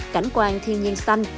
cảnh quan thiên nhiên xanh